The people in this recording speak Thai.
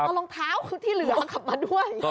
เอารองเท้าคือที่เหลือขับมาด้วย